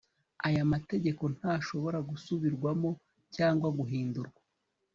aya mategeko ntashobora gusubirwamo cyangwa guhindurwa